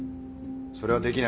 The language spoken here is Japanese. それはできない。